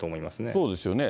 そうですよね。